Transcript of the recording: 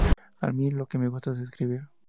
A mí lo que me gusta es escribir.